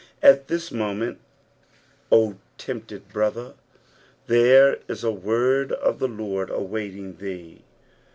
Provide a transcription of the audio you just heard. At this moment, O tempted brother, there is a word of the Lord awaiting thee!